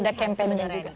ada campainya juga